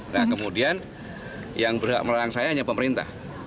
nah kemudian yang berhak melangsangnya hanya pemerintah